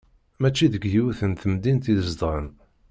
Mačči deg yiwet n temdint i zedɣen.